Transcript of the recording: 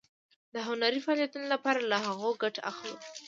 د هنري فعالیتونو لپاره له هغو ګټه اخلو.